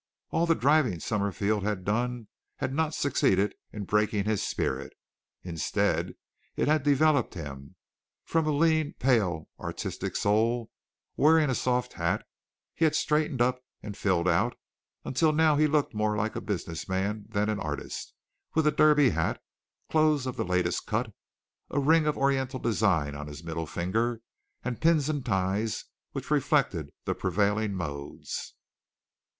All the driving Summerfield had done had not succeeded in breaking his spirit. Instead, it had developed him. From a lean, pale, artistic soul, wearing a soft hat, he had straightened up and filled out until now he looked more like a business man than an artist, with a derby hat, clothes of the latest cut, a ring of oriental design on his middle finger, and pins and ties which reflected the prevailing modes.